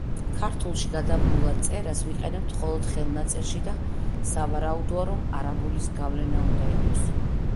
ქართულში გადაბმულად წერას ვიყენებთ მხოლოდ ხელნაწერში და სავარაუდოა, რომ არაბულის გავლენა უნდა იყოს.